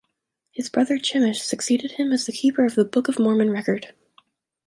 His brother Chemish succeeded him as the keeper of the Book of Mormon record.